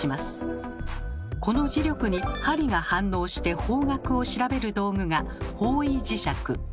この磁力に針が反応して方角を調べる道具が方位磁石。